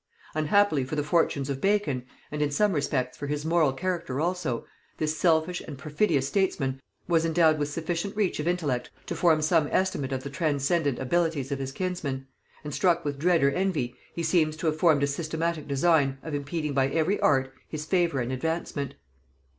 Unhappily for the fortunes of Bacon, and in some respects for his moral character also, this selfish and perfidious statesman was endowed with sufficient reach of intellect to form some estimate of the transcendent abilities of his kinsman; and struck with dread or envy, he seems to have formed a systematic design of impeding by every art his favor and advancement.